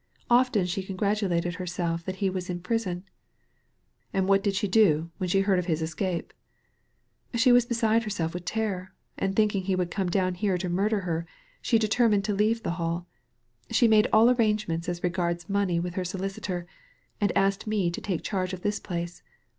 Often she congratulated herself that he was in prison." ''And what did':sibe do when she heard of his escape ?"" She was beside herself with terror ; and, thinking he would come down here to murder her, she deter mined to leave the HalL She made all arrange ments as regards money with her solicitor, and asked me to take charge of this place.